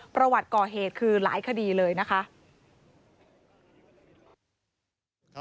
ประวัติก่อเหตุคือหลายคดีเลยนะคะ